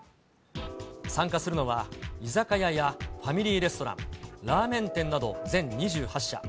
参加するのは、居酒屋やファミリーレストラン、ラーメン店など全２８社。